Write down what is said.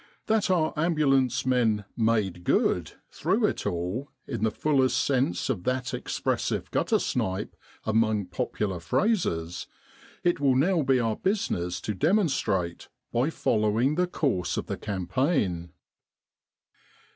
That our Ambulance men "made good" through it all, in the fullest sense of that expressive gutter snipe among popular phrases, it will now be our business to demonstrate by following the course of the campaign.